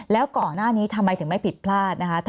แล้วก่อนหน้านี้ทำไมถึงไม่ผิดพลาดนะคะ